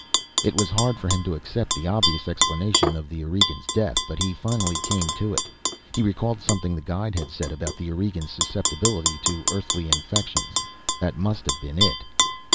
It was hard for him to accept the obvious explanation of the Aurigean's death, but he finally came to it. He recalled something the guide had said about the Aurigeans' susceptibility to Earthly infections. That must have been it.